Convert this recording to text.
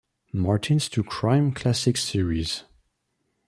Martin's True Crime Classics' series.